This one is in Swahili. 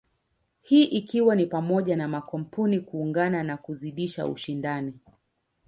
Hii ikiwa ni pamoja na makampuni kuungana na kuzidisha ushindani.